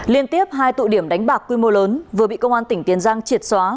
liên tiếp hai tụ điểm đánh bạc quy mô lớn vừa bị công an tỉnh tiền giang triệt xóa